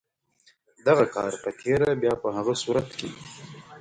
دغه کار په تېره بیا په هغه صورت کې.